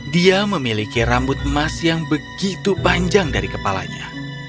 dia memiliki rambut emas yang begitu panjang dari kepalanya